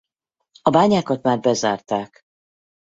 A bányákat már bezárták.